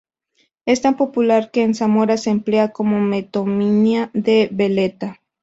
Es tan popular que en Zamora se emplea como metonimia de veleta.